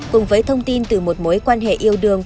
cùng với thông tin từ một mối quan hệ yêu đương